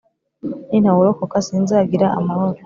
nintawurokoka sinzagira amahoro